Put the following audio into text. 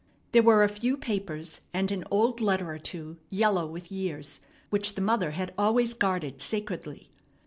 There were a few papers and an old letter or two yellow with years, which the mother had always guarded sacredly.